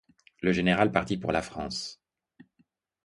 Le général partit pour la France.